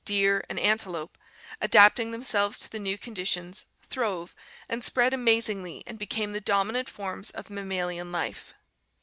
deer, and antelope, adapting them selves to the new conditions, throve ■ and spread amazingly and became the dominant forms of mammalian life.